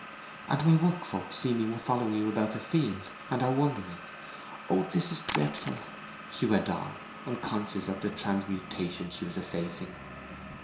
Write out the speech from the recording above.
"And my workfolk see me following you about the field, and are wondering. Oh, this is dreadful!" she went on, unconscious of the transmutation she was effecting.